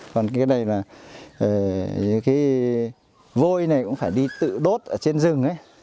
còn cái này là những cái vôi này cũng phải đi tự đốt trên rừng